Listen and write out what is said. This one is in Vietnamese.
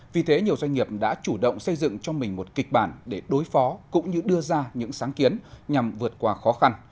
vì thế nhiều doanh nghiệp đã chủ động xây dựng cho mình một kịch bản để đối phó cũng như đưa ra những sáng kiến nhằm vượt qua khó khăn